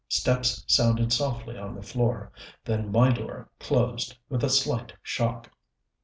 Steps sounded softly on the floor. Then my door closed with a slight shock.